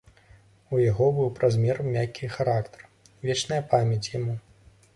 У яго быў праз меру мяккі характар, вечная памяць яму.